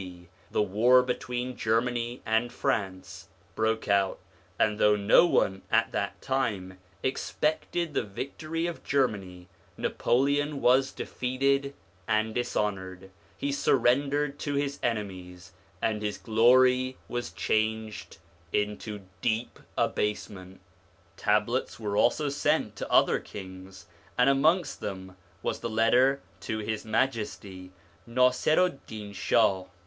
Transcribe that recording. D., the war between Germany and France broke out; and though no one at that time expected the victory of Germany, Napoleon was defeated and dishonoured, he surrendered to his enemies, and his glory was changed into deep abase ment. Tablets 2 were also sent to other kings, and amongst them was the letter to H.M. Nasiru'd Din Shah.